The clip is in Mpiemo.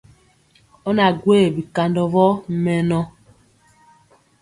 Ɔ na gwee bikandɔ vɔ mɛnɔ.